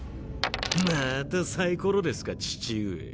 またサイコロですか父上。